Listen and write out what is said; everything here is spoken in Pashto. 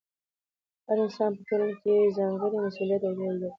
هر انسان په ټولنه کې ځانګړی مسؤلیت او رول لري.